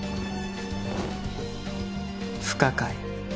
不可解。